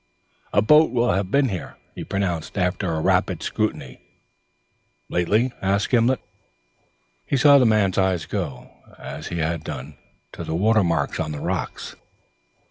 "A boat will have been here," he pronounced after a rapid scrutiny. "Lately?" asked Gimblet. He saw the man's eyes go, as his own had done, to the watermarks on the rocks.